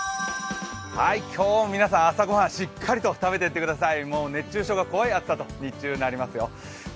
今日も皆さん、朝ごはんしっかり食べていってください。